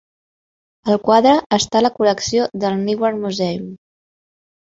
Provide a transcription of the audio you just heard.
El quadre està a la col·lecció del Newark Museum.